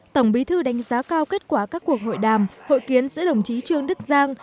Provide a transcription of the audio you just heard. tổng bí thư đánh giá cao kết quả các cuộc hội đàm hội kiến giữa đồng chí trương đức giang